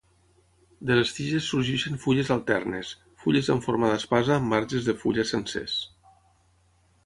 De les tiges sorgeixen fulles alternes, fulles amb forma d'espasa amb marges de fulla sencers.